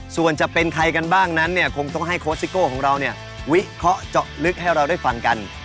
ส่วนจะเป็นใครกันบ้างนั้นเนี่ยคงต้องให้โค้ชซิโก้ของเราเนี่ยวิเคราะห์เจาะลึกให้เราได้ฟังกัน